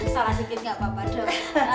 salah bikin gak apa apa dong